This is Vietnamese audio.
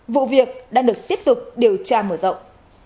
vụ việc đang được tiếp tục điều tra mở rộng